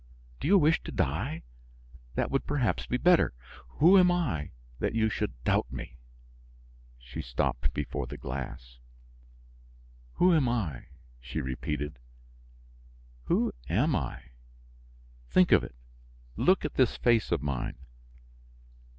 Do you wish to die? That would, perhaps, be better. Who am I that you should doubt me?" She stopped before the glass. "Who am I?" she repeated, "who am I? Think of it. Look at this face of mine."